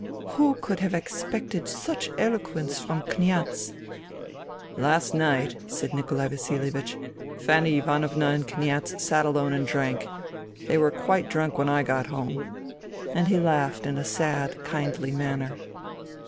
" Who could have expected such eloquence from Kniaz ?" said Fanny Ivanovna. " Last night," said Nikolai Vasilievich, " Fanny Ivanovna and Kniaz sat alone and drank. They were quite drunk when I got home." And he laughed in a sad, kindly manner.